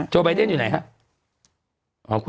โจย์ไบเด้นอยู่ไหนค่ะ